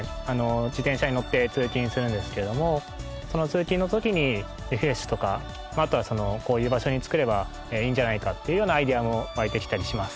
自転車に乗って通勤するんですけどもその通勤の時にリフレッシュとかあとはこういう場所に作ればいいんじゃないかっていうようなアイデアも湧いてきたりします。